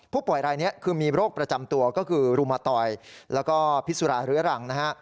ผู้ป่วยรายนี้คือมีโรคประจำตัวก็คือรุมตอยแล้วก็พิสุราเรื้อรังนะฮะ